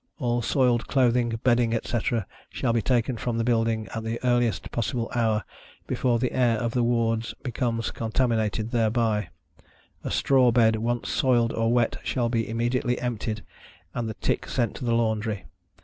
All soiled clothing, bedding, etc., shall be taken from the building, at the earliest possible hour, before the air of the wards becomes contaminated thereby. A straw bed once soiled or wet, shall be immediately emptied and the tick sent to the laundry.